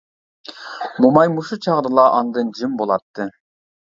موماي مۇشۇ چاغدىلا ئاندىن جىم بولاتتى.